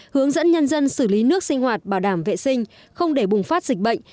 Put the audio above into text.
hướng dẫn nhân dân xử lý nước sinh hoạt bảo đảm vệ sinh không để bùng phát dịch bệnh